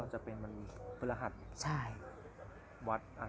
วัดอะไรนะครับ